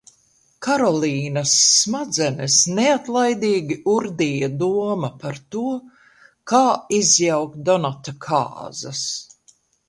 Karolīnas smadzenes neatlaidīgi urdīja doma par to, kā izjaukt Donata kāzas.